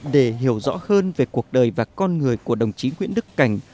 để hiểu rõ hơn về cuộc đời và con người của đồng chí nguyễn đức cảnh